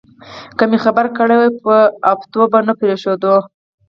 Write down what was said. که مې خبر کړي وای په اوونیو به نه پرېښودو.